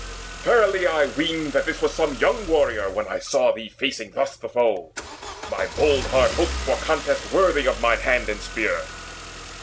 Verily I weened That this was some young warrior, when I saw Thee facing thus the foe. My bold heart hoped For contest worthy of mine hand and spear.